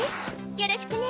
よろしくね！